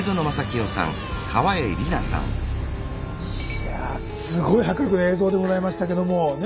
いやぁすごい迫力の映像でございましたけどもね。